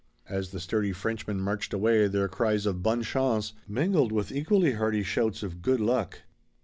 As the sturdy Frenchmen marched away their cries of "bonne chance" mingled with equally hearty shouts of "good luck."